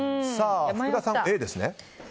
福田さん、Ａですね？